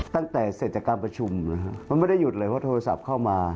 ตั้งแต่เสร็จจากการประชุมนะครับมันไม่ได้หยุดเลยเพราะโทรศัพท์เข้ามา